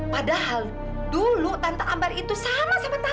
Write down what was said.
padahal dulu tante ambar itu sama sama tante nggak suka sama si kamila